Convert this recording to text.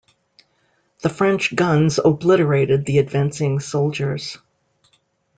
The French guns obliterated the advancing soldiers.